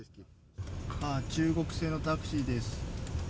中国製のタクシーです。